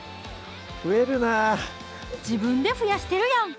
増えるな自分で増やしてるやん